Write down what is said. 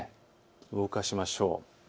動かしましょう。